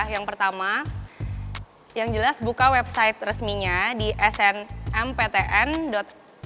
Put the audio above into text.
yang pertama yang jelas buka website resminya di snmptn